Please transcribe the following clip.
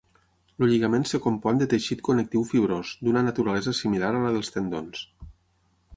El lligament es compon de teixit connectiu fibrós, d'una naturalesa similar a la dels tendons.